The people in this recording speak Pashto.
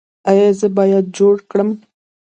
ایا زه باید جوړ کړم؟